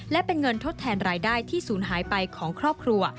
และเป็นเงินทดแทนรายได้ที่ศูนย์หายไปของครอบครัว